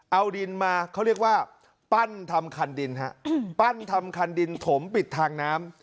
เอาดินมาเขาเรียกว่าปั้นทำคันดินฮะปั้นทำคันดินถมปิดทางน้ำ